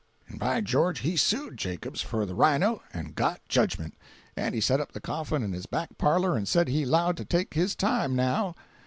And by George he sued Jacops for the rhino and got jedgment; and he set up the coffin in his back parlor and said he 'lowed to take his time, now.